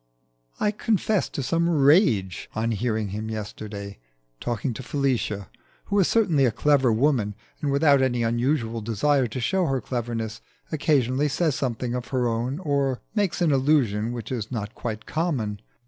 I confess to some rage on hearing him yesterday talking to Felicia, who is certainly a clever woman, and, without any unusual desire to show her cleverness, occasionally says something of her own or makes an allusion which is not quite common.